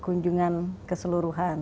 itu kunjungi keseluruhan